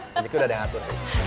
jadi kita udah ada yang atur